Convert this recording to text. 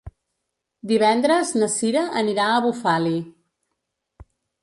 Divendres na Cira anirà a Bufali.